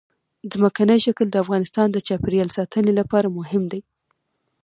ځمکنی شکل د افغانستان د چاپیریال ساتنې لپاره مهم دي.